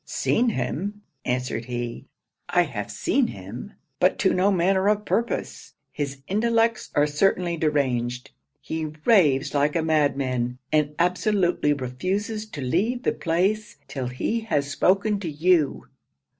'Seen him!' answered he; 'I have seen him; but to no manner of purpose; his intellects are certainly deranged; he raves like a madman, and absolutely refuses to leave the place till he has spoken to you.'